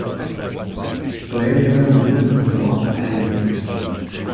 Play my Women of Rock playlist.